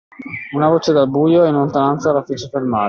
Una voce dal buio, in lontananza, lo fece fermare.